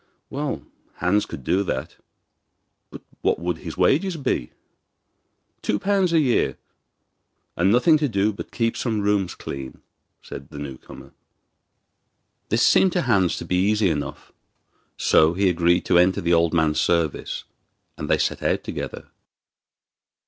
Well, Hans could do that; but what would his wages be? 'Two pounds a year, and nothing to do but keep some rooms clean,' said the new comer. This seemed to Hans to be easy enough; so he agreed to enter the old man's service, and they set out together.